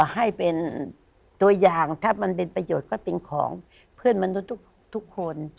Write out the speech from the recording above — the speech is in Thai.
ให้เป็นตัวอย่างถ้ามันเป็นประโยชน์ก็เป็นของเพื่อนมนุษย์ทุกคน